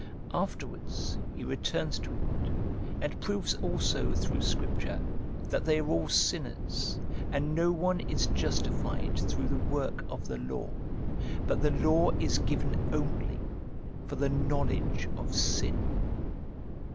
After wards he returns to it, and proves also through Scripture that they are all sinners, and no one is justified through the work of the law, but the law is given only for the knowledge of sin.